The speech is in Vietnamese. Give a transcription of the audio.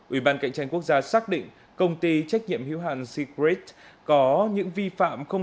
ủy ban cạnh tranh quốc gia xác định công ty trách nhiệm hữu hạn secret có những vi phạm không